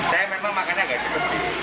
saya memang makannya agak cepat sih